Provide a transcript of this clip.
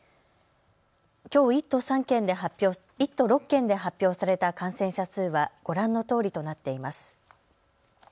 きょう１都６県で発表された感染者数はご覧のとおりとなっています。